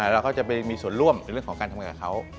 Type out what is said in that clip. เราก็จะไปมีส่วนร่วมในเรื่องของการทำงานกับเขา